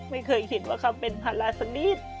ไม่เคยคิดว่าเขาเป็นภาระสนิท